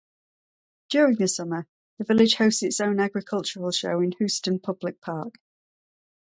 During the summer, the village hosts its own agricultural show in Houston Public Park.